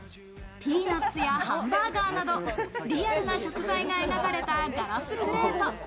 ピーナッツやハンバーガーなど、リアルな食材が描かれたガラスプレート。